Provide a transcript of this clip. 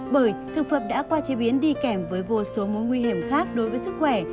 bởi thực phẩm đã qua chế biến đi kèm với vô số mối nguy hiểm khác đối với sức khỏe